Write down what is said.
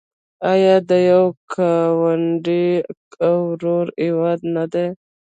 آیا د یو ګاونډي او ورور هیواد نه دی؟